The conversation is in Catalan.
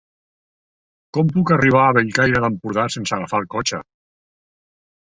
Com puc arribar a Bellcaire d'Empordà sense agafar el cotxe?